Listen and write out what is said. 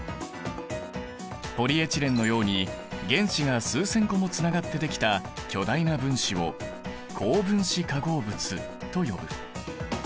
ポリエチレンのように原子が数千個もつながってできた巨大な分子を高分子化合物と呼ぶ。